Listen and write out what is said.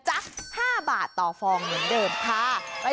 ชั่วตลอดตลาด